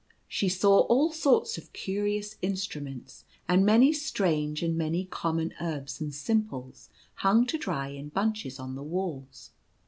She saw all sorts of curious instruments, and many strange and many common herbs and simples hung to dry in bunches on the walls.